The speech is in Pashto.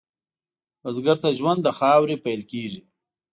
بزګر ته ژوند له خاورې پېل کېږي